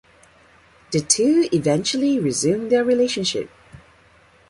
The two eventually resumed their relationship.